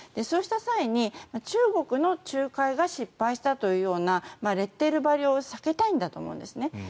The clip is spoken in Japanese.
そうした際に中国の仲介が失敗したというようなレッテル貼りを避けたいと思うんですね。